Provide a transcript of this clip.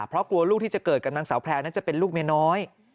เพราะกลัวลูกที่จะเกิดกับนางสาวแพลวนั้นจะเป็นลูกเมียน้อย